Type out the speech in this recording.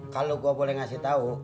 kalau gue boleh ngasih tahu